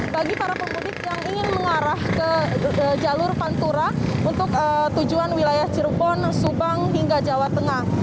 bagi para pemudik yang ingin mengarah ke jalur pantura untuk tujuan wilayah cirebon subang hingga jawa tengah